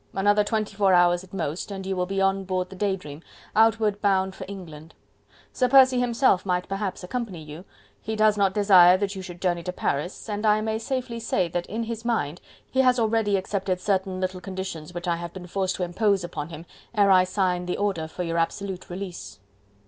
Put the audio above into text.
Another twenty four hours at most, and you will be on board the 'Day Dream' outward bound for England. Sir Percy himself might perhaps accompany you; he does not desire that you should journey to Paris, and I may safely say, that in his mind, he has already accepted certain little conditions which I have been forced to impose upon him ere I sign the order for your absolute release."